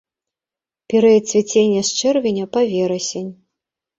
Перыяд цвіцення з чэрвеня па верасень.